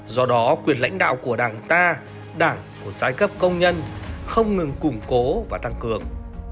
do đó quyền lãnh đạo của đảng ta đảng của giai cấp công nhân không ngừng củng cố và tăng cường